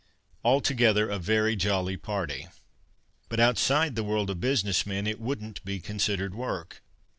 Altogether, a very jolly party. But outside the world of business men it wouldn't be considered work.